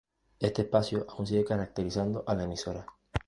Este espacio aún sigue caracterizando a la emisora.